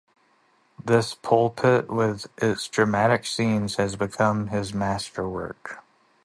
This pulpit with its dramatic scenes has become his masterwork.